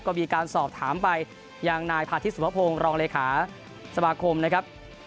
ก็มีการสอบถามไปยังนายพาทิตสุภพงศ์รองเลขาสมาคมนะครับ